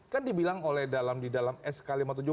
kan dibilang di dalam sk lima ratus tujuh puluh empat